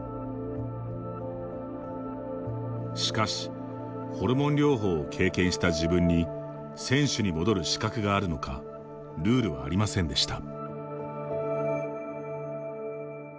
しかしホルモン療法を経験した自分に選手に戻る資格があるのかルールはありませんでした。